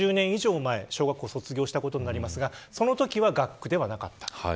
２０年以上前、小学校を卒業したことになりますがそのときは学区ではなかった。